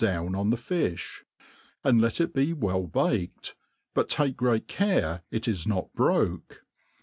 down on the fifh ; and let it be well baked, but take great care it is not broke.